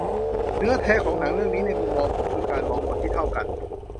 เนื้อแท้ของหนังเรื่องนี้ในมุมมองผมคือการมองคนที่เท่ากัน